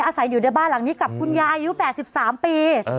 อาศัยอยู่ในบ้านหลังนี้กับคุณยายอายุ๘๓ปี